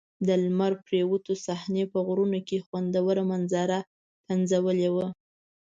د لمر پرېوتو صحنې په غرونو کې خوندوره منظره پنځولې وه.